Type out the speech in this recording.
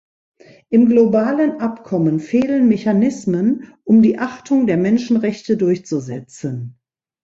Im globalen Abkommen fehlen Mechanismen, um die Achtung der Menschenrechte durchzusetzen.